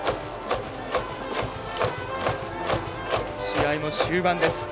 試合も終盤です。